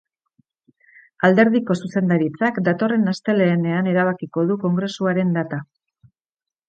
Alderdiko zuzendaritzak datorren astelehenean erabakiko du kongresuaren data.